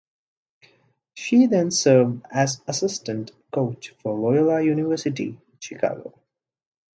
She then served as assistant coach for Loyola University Chicago.